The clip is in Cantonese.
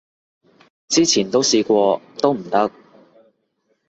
之前都試過都唔得